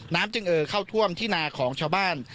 จึงเอ่อเข้าท่วมที่นาของชาวบ้าน